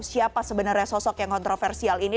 siapa sebenarnya sosok yang kontroversial ini